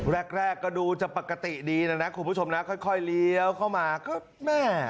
แรกก็ดูจะปกติดีนะครับคุณผู้ชมค่อยเลี้ยวเข้ามา